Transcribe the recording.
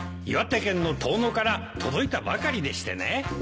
岩手県の遠野から届いたばかりでしてね